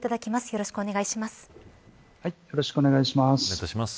よろしくお願いします。